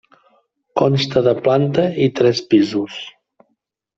Consta de planta i tres pisos.